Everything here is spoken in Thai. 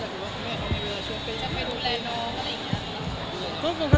จะไปดูแลน้องอะไรอย่างนี้ครับ